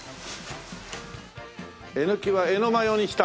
エノキはエノマヨにした？